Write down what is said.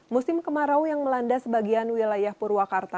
musim kemarau yang melanda sebagian wilayah purwakarta